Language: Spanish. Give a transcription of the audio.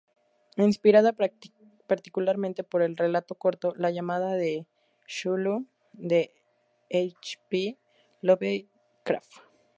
Inspirada particularmente por el relato corto "La llamada de Cthulhu" de H. P. Lovecraft.